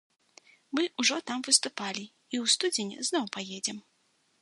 Мы ўжо там выступалі, і ў студзені зноў паедзем.